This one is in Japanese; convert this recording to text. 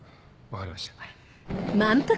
分かりました。